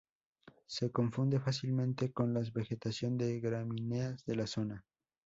Se confunde fácilmente con las vegetación de gramíneas de la zona.